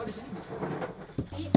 berapa di sini